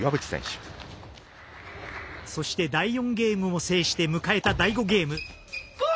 そして、第４ゲームを制して迎えた第５ゲーム。